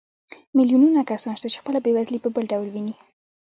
میلیونونه کسان شته چې خپله بېوزلي په بل ډول ویني